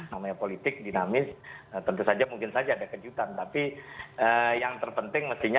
namanya politik dinamis tentu saja mungkin saja ada kejutan tapi yang terpenting mestinya